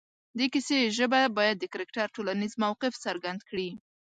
د کیسې ژبه باید د کرکټر ټولنیز موقف څرګند کړي